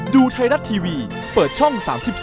ดูไทยรัฐทีวีเปิดช่อง๓๒